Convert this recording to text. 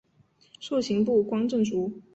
授刑部观政卒。